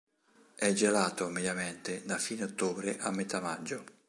È gelato, mediamente, da fine ottobre a metà maggio.